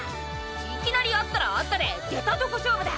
いきなり会ったら会ったで出たとこ勝負だ！